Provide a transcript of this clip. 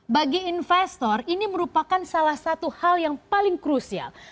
bagi investor ini merupakan salah satu hal yang paling krusial